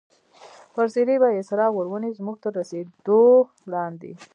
پر څېرې به یې څراغ ور ونیو، زموږ تر رسېدو وړاندې.